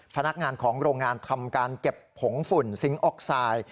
พนักงานของโรงงานทำการเก็บผงฝุ่นซิงค์ออกไซด์